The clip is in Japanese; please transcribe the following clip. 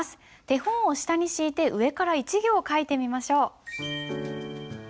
手本を下に敷いて上から１行書いてみましょう。